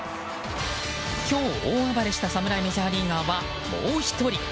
今日、大暴れした侍メジャーリーガーはもう１人。